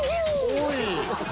おい！